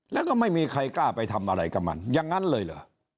แล้วก็ไม่มีใครกล้าไปทำอะไรกับมันอย่างนั้นเลยเหรอ